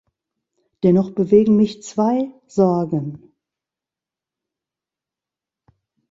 Dennoch bewegen mich zwei Sorgen.